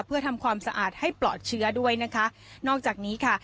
เพื่อทำความสะอาดให้ปลอดเชื้อด้วยนะคะนอกจากนี้ค่ะ